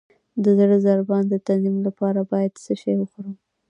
د زړه د ضربان د تنظیم لپاره باید څه شی وخورم؟